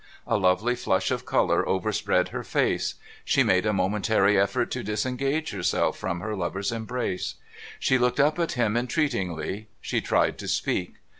A lovely flush of colour overspread her face. She made a momentary effort to disengage herself from her lover's embrace. She looked up at him entreatingly. She tried to speak.